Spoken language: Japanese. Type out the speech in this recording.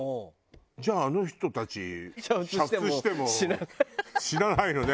じゃああの人たち煮沸しても死なないのね